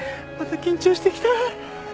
また緊張してきた。